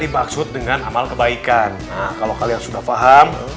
dibaksud dengan amal kebaikan kalau kalian sudah paham